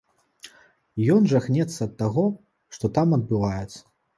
І ён жахнецца ад таго, што там адбываецца.